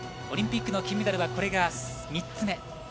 オリンピックの金メダルはこれが３つ目。